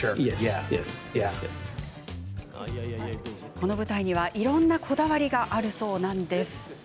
この舞台には、いろんなこだわりがあるそうなんです。